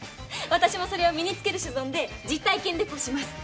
私もそれを身につける所存で実体験ルポします。